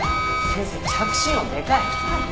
先生着信音でかい！